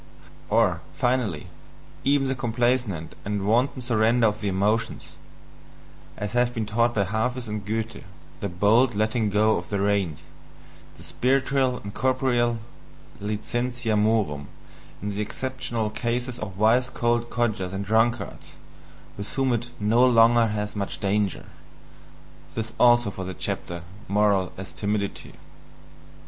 or, finally, even the complaisant and wanton surrender to the emotions, as has been taught by Hafis and Goethe, the bold letting go of the reins, the spiritual and corporeal licentia morum in the exceptional cases of wise old codgers and drunkards, with whom it "no longer has much danger." This also for the chapter: "Morals as Timidity."